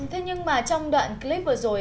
thế nhưng mà trong đoạn clip vừa rồi